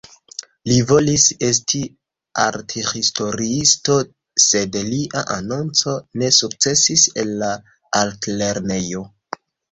Li volis esti arthistoriisto, sed lia anonco ne sukcesis en la altlernejo.